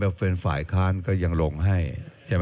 แล้วเป็นฝ่ายค้านก็ยังลงให้ใช่ไหม